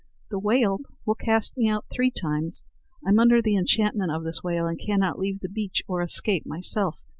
The whale will cast me out three times. I'm under the enchantment of this whale, and cannot leave the beach or escape myself.